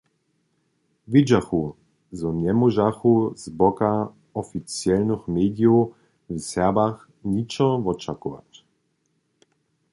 Wědźachu, zo njemóžachu z boka oficialnych medijow w Serbach ničo wočakować.